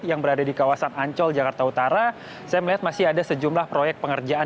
yang berada di kawasan ancol jakarta utara saya melihat masih ada sejumlah proyek pengerjaan